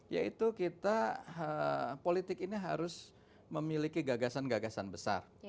yaitu kita politik ini harus memiliki gagasan gagasan besar